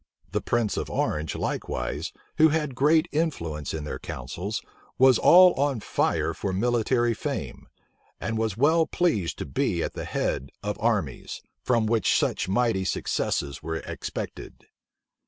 The prince of Orange likewise, who had great influence in their councils, was all on fire for military fame, and was well pleased to be at the head of armies, from which such mighty successes were expected.